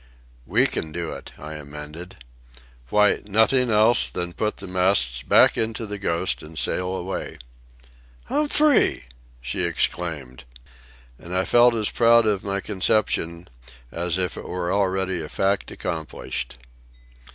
"We can do it," I amended. "Why, nothing else than put the masts back into the Ghost and sail away." "Humphrey!" she exclaimed. And I felt as proud of my conception as if it were already a fact accomplished.